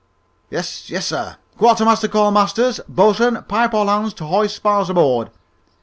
"Yes, yes, sir. Quartermaster, call Masters!" "Bo'sun, pipe all hands to hoist spars aboard!"